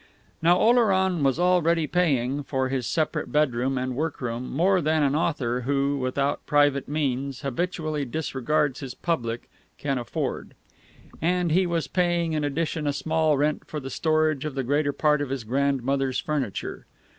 Now Oleron was already paying, for his separate bedroom and workroom, more than an author who, without private means, habitually disregards his public, can afford; and he was paying in addition a small rent for the storage of the greater part of his grandmother's furniture.